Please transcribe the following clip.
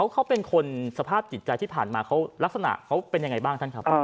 เขาเป็นคนสภาพจิตใจที่ผ่านมาเขารักษณะเป็นอย่างไรบ้างครับ